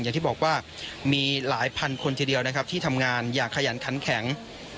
อย่างที่บอกว่ามีหลายพันคนทีเดียวนะครับที่ทำงานอย่างขยันขันแข็ง